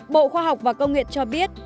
bộ khoa học và công nghiệp cho biết